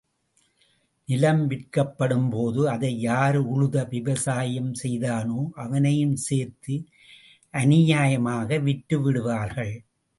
நிலம் விற்கப்படும் போது, அதை யார் உழுது விவசாயம் செய்தானோ அவனையும் சேர்த்து அநியாயமாக விற்றுவிடுவார்கள்.